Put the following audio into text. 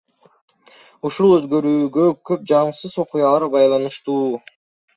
Ушул өзгөрүүгө көп жагымсыз окуялар байланыштуу.